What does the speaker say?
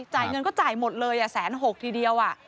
จ่ายเงินก็จ่ายหมดเลย๑๖๐๐ทีเดียว